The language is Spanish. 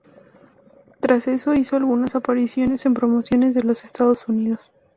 Tras esto, hizo algunas apariciones en promociones de los Estados Unidos.